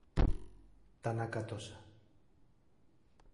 Tanaka Tosa